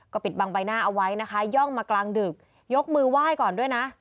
ปิดบังใบหน้าเอาไว้นะคะย่องมากลางดึกยกมือไหว้ก่อนด้วยนะ